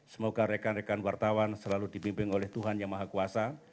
semoga rekan rekan wartawan selalu dibimbing oleh tuhan yang maha kuasa